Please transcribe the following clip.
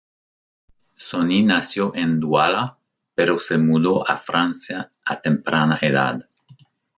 Soni nació en Duala, pero se mudó a Francia a temprana edad.